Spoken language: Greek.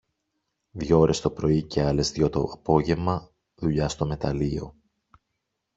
Δυο ώρες το πρωί και άλλες δυο το απόγεμα δουλειά στο μεταλλείο.